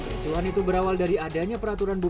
pericuan itu berawal dari adanya peraturan berat